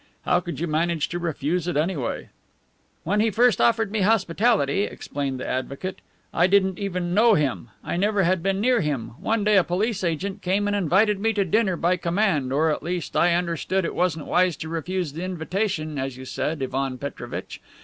How could you manage to refuse it, anyway?" "When he first offered me hospitality," explained the advocate, "I didn't even know him. I never had been near him. One day a police agent came and invited me to dinner by command or, at least, I understood it wasn't wise to refuse the invitation, as you said, Ivan Petrovitch.